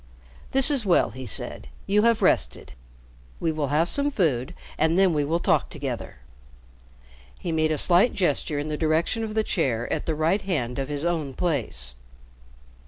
"This is well," he said. "You have rested. We will have some food, and then we will talk together." He made a slight gesture in the direction of the chair at the right hand of his own place.